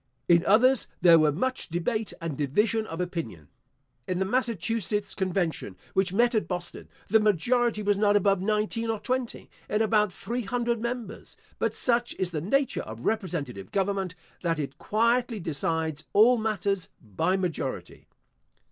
In others there were much debate and division of opinion. In the Massachusetts convention, which met at Boston, the majority was not above nineteen or twenty, in about three hundred members; but such is the nature of representative government, that it quietly decides all matters by majority.